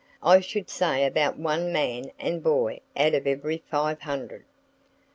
I should say about one man and boy out of every five hundred.